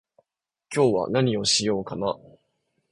今日は何をしようかな